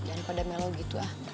jangan pada melo gitu ah